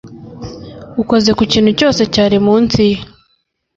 Ukoze ku kintu cyose cyari munsi ye